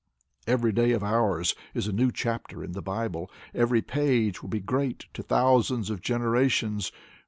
Every day of ours is a new chapter in the Bible. Every page will be great to thousands of generations.